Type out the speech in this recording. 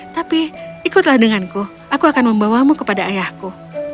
tapi ikutlah denganku aku akan membawamu kepada ayahku